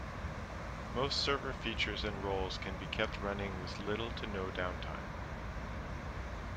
Most server features and roles can be kept running with little to no downtime.